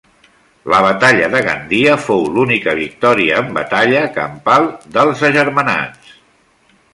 La batalla de Gandia fou l'única victòria en batalla campal dels agermanats.